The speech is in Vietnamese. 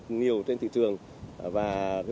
thì mới biết là đã sử dụng một loại ma túy mới